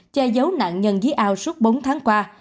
che giấu nạn nhân dưới ao suốt bốn tháng qua